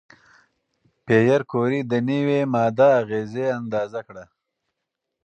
پېیر کوري د نوې ماده اغېزې اندازه کړه.